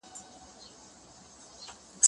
پاکوالی د مور له خوا کيږي،